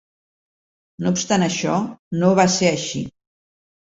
No obstant això, no va ser així.